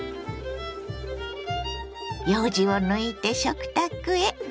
ようじを抜いて食卓へ。